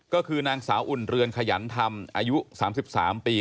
ก็คือนางสาวอุ่นเรือนขยันธรรมอายุ๓๓ปี